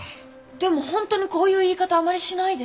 でも本当にこういう言い方はあまりしないです。